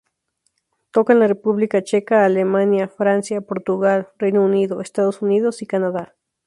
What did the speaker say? Toca en la República Checa, Alemania, Francia, Portugal, Reino Unido, Estados Unidos y Canadá.